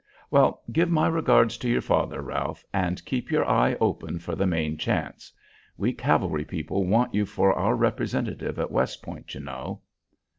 Well, give my regards to your father, Ralph, and keep your eye open for the main chance. We cavalry people want you for our representative at West Point, you know."